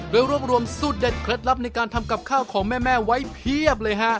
โดยรวบรวมสูตรเด็ดเคล็ดลับในการทำกับข้าวของแม่ไว้เพียบเลยฮะ